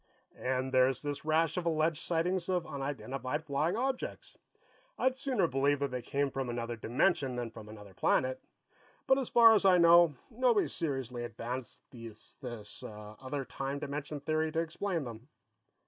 "And there's this rash of alleged sightings of unidentified flying objects. I'd sooner believe that they came from another dimension than from another planet. But, as far as I know, nobody's seriously advanced this other time dimension theory to explain them."